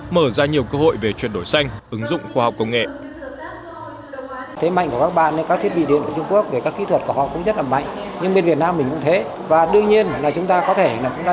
mở ra nhiều cơ hội về chuyển đổi xanh ứng dụng khoa học công nghệ